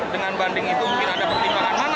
dengan banding itu mungkin ada pertimbangan mana